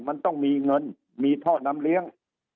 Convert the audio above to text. มันต้องมีเงินมีท่อน้ำเลี้ยง